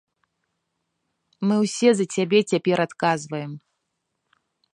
Мы ўсе за цябе цяпер адказваем.